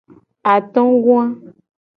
Atogoa.